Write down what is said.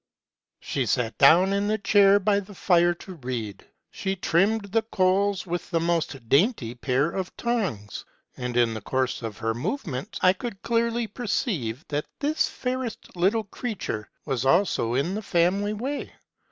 She sat down in the chair by the fire to read ; she trimmed the coals with the most dainty pair of tongs ; and, in the course of her movements, I could clearly perceive that this fairest little creature was also in the family way.